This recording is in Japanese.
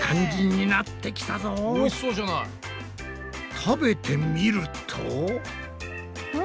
食べてみると。